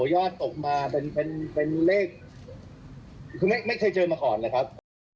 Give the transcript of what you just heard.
ยอดตกมาเป็นเลขคือไม่เคยเจอมาก่อนเลยครับ